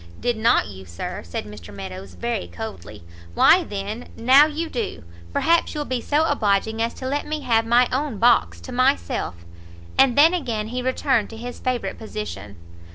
"Did not you, Sir?" said Mr Meadows very coldly, "why then now you do, perhaps you'll be so obliging as to let me have my own box to myself." And then again he returned to his favourite position.